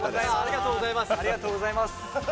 ありがとうございます。